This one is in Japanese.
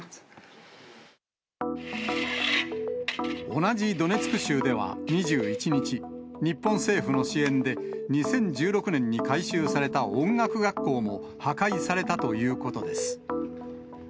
同じドネツク州では２１日、日本政府の支援で、２０１６年に改修された音楽学校も破壊されたということです。